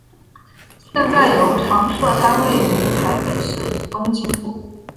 现在有常设摊位于台北市与东京都。